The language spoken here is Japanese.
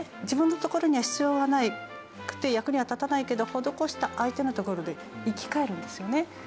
自分のところには必要がなくて役には立たないけど施した相手のところで生き返るんですよね。